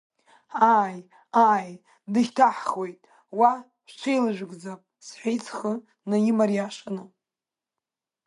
Ааи, ааи, дышьҭаҳхуеит, уа шәҽеилажәгӡап, — сҳәеит схы намариашаны.